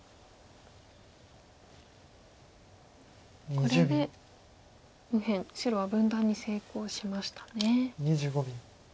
これで右辺白は分断に成功しましたね。